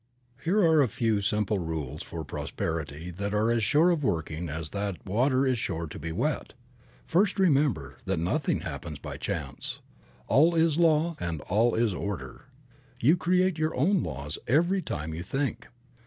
TTERE are a few simple rules for prosperity that are as sure of working as that water is sure to be wet. First remember that nothing happens by chance. All is law and all is order. You create your own laws every time you think.